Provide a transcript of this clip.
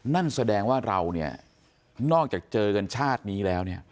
นั่นแสดงว่าเราเนี่ยนอกจากเจอกันชาตินี้แล้ว